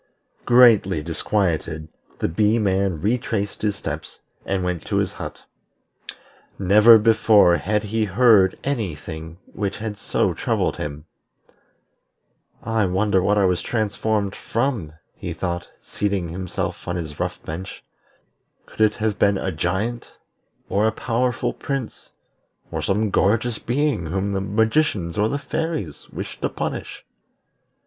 Greatly disquieted, the Bee man retraced his steps, and went to his hut. Never before had he heard any thing which had so troubled him. "I wonder what I was transformed from?" he thought, seating himself on his rough bench. "Could it have been a giant, or a powerful prince, or some gorgeous being whom the magicians or the fairies wished to punish?